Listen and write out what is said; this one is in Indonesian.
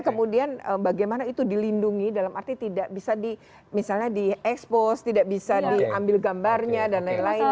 kemudian bagaimana itu dilindungi dalam arti tidak bisa di misalnya di expose tidak bisa diambil gambarnya dan lain lain